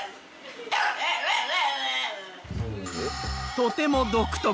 とても独特。